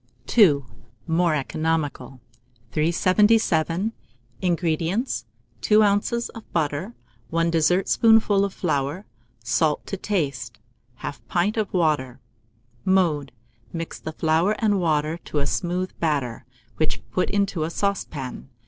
II. (More Economical.) 377. INGREDIENTS. 2 oz. of butter, 1 dessertspoonful of flour, salt to taste, 1/2 pint of water. Mode. Mix the flour and water to a smooth batter, which put into a saucepan.